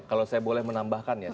kalau saya boleh menambahkan ya